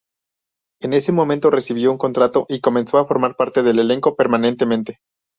En ese momento, recibió un contrato y comenzó a formar parte del elenco permanentemente.